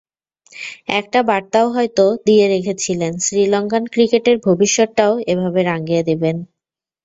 একটা বার্তাও হয়তো দিয়ে রেখেছিলেন, শ্রীলঙ্কান ক্রিকেটের ভবিষ্যৎটাও এভাবে রাঙিয়ে দেবেন।